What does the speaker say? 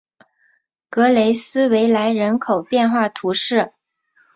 格雷斯维莱人口变化图示